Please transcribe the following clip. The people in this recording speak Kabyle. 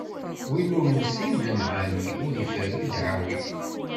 Win ur nessin lemɛani, ur iferru ddɛawi.